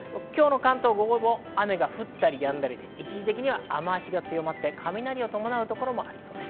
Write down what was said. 午後も雨が降ったりやんだりで、一時的には雨足が強まって雷を伴うところもありそうです。